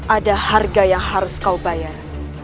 ada harga yang harus kau bayar